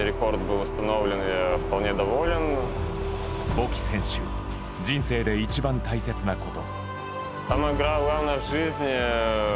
ボキ選手人生で一番大切なこと。